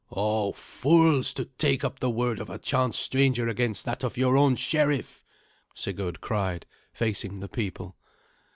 "O fools, to take up the word of a chance stranger against that of your own sheriff!" Sigurd cried, facing the people.